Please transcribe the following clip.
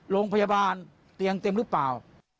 โรงพยาบาลเตียงเต็มหรือเปล่า